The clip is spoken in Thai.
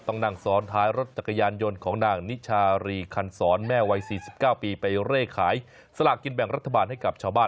ต้องนั่งซ้อนท้ายรถจักรยานยนต์ของนางนิชารีคันศรแม่วัย๔๙ปีไปเร่ขายสลากกินแบ่งรัฐบาลให้กับชาวบ้าน